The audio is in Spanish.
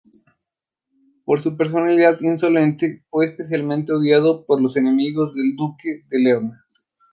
Por su personalidad insolente, fue especialmente odiado por los enemigos del duque de Lerma.